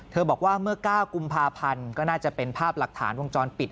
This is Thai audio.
บอกว่าเมื่อ๙กุมภาพันธ์ก็น่าจะเป็นภาพหลักฐานวงจรปิด